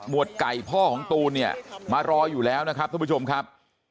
วดไก่พ่อของตูนเนี่ยมารออยู่แล้วนะครับทุกผู้ชมครับ